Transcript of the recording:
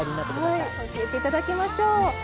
はい教えていただきましょう。